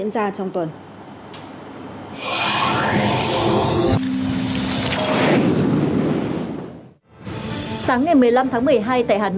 sáng ngày một mươi năm tháng một mươi tổng thống tổng thống tổng thống tổng thống tổng thống tổng thống tổng thống tổng thống tổng thống tổng thống